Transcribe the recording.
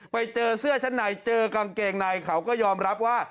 ไปเจอเสื้อชั้นในเจอกางเกงในเขาก็ยอมรับว่า